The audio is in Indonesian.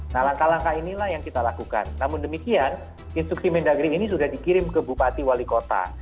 nah langkah langkah inilah yang kita lakukan namun demikian instruksi mendagri ini sudah dikirim ke bupati wali kota